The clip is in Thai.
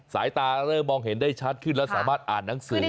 สายตาเริ่มมองเห็นได้ชัดขึ้นแล้วสามารถอ่านหนังสือ